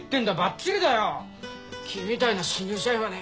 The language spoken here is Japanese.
「キミみたいな新入社員はね